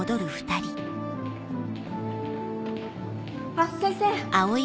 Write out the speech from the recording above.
あっ先生！